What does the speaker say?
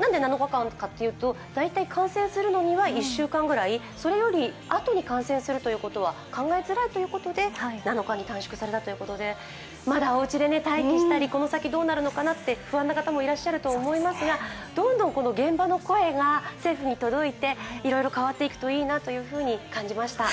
何で７日間かというと、感染するのには１週間ぐらいそれよりあとに感染するということは考えづらいということで７日に短縮されたということでまだおうちで待機されていたりこの先どうなるのかなって不安の方もいらっしゃると思いますがどんどん現場の声が政府に届いていろいろ変わっていくといいなと感じました。